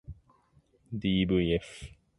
ｄｖｆ